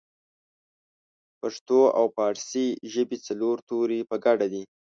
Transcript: پښتو او پارسۍ ژبې څلور توري په ګډه دي